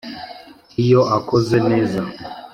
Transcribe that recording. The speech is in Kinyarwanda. iyo akoze neza,